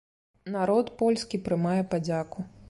Народ польскі прымае падзяку.